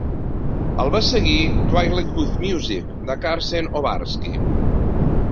El va seguir "Twilight with Music", de Karsten Obarski.